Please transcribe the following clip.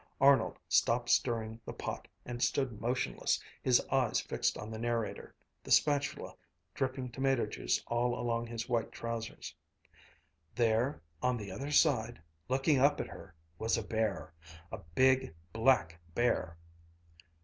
Arnold stopped stirring the pot and stood motionless, his eyes fixed on the narrator, the spatula dripping tomato juice all along his white trousers. "There on the other side, looking up at her, was a bear a big black bear."